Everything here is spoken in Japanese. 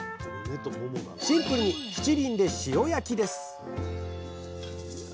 シンプルにしちりんで塩焼きです！